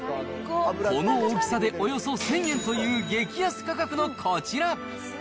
この大きさでおよそ１０００円という激安価格のこちら。